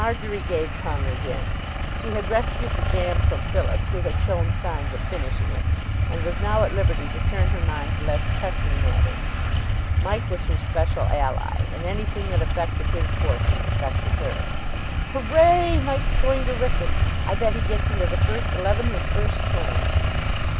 Marjory gave tongue again. She had rescued the jam from Phyllis, who had shown signs of finishing it, and was now at liberty to turn her mind to less pressing matters. Mike was her special ally, and anything that affected his fortunes affected her. "Hooray! Mike's going to Wrykyn. I bet he gets into the first eleven his first term."